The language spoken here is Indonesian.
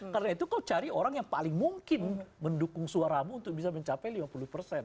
karena itu kau cari orang yang paling mungkin mendukung suaramu untuk bisa mencapai lima puluh persen